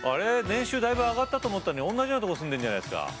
年収だいぶ上がったと思ったのにおんなじようなとこ住んでんじゃないですか。